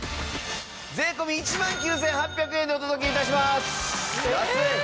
税込１万９８００円でお届け致します。